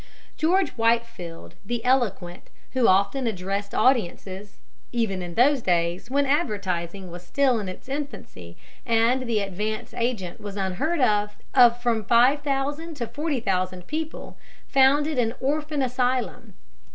] George Whitefield the eloquent, who often addressed audiences (even in those days, when advertising was still in its infancy and the advance agent was unheard of) of from five thousand to forty thousand people, founded an orphan asylum.